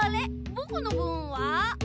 ぼくのぶんは？